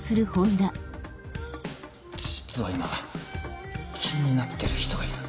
実は今気になってる人がいる。